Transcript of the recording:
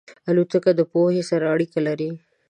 الوتکه د پوهې سره اړیکه لري.